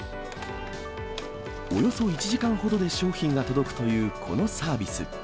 およそ１時間ほどで商品が届くというこのサービス。